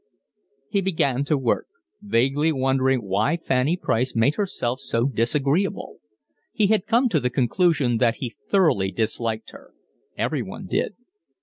He began to work, vaguely wondering why Fanny Price made herself so disagreeable. He had come to the conclusion that he thoroughly disliked her. Everyone did.